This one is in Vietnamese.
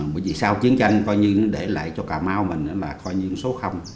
bởi vì sao chiến tranh coi như nó để lại cho cà mau mình là coi như số